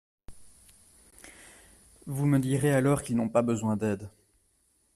Vous me direz alors qu’ils n’ont pas besoin d’aide.